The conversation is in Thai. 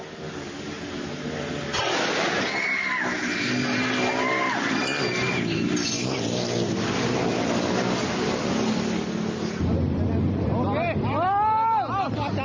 จอดจอดจอด